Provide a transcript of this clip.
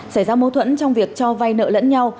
xảy ra mâu thuẫn trong việc cho vay nợ lẫn nhau